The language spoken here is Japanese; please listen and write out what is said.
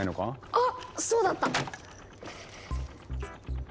あっそうだった！